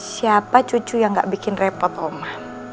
siapa cucu yang gak bikin repot oman